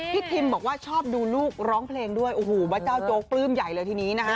ทิมบอกว่าชอบดูลูกร้องเพลงด้วยโอ้โหว่าเจ้าโจ๊กปลื้มใหญ่เลยทีนี้นะฮะ